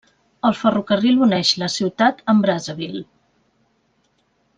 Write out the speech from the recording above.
El ferrocarril uneix la ciutat amb Brazzaville.